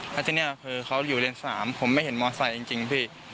แล้วที่นี่คือเขาอยู่เลนส์๓ผมไม่เห็นมอไซค์จริงพี่